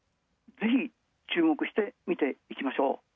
ぜひ注目して見ていきましょう。